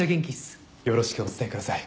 よろしくお伝えください。